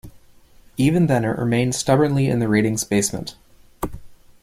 Even then, it remained stubbornly in the ratings basement.